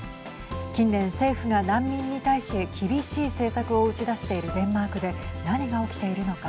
近年政府が難民に対し厳しい政策を打ち出しているデンマークで何が起きているのか。